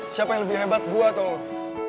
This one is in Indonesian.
siapa yang lebih hebat gue atau lo